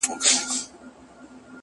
• نو زه له تاسره ـ